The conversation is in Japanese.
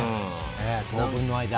当分の間。